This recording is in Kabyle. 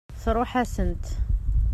Tṛuḥ-asent.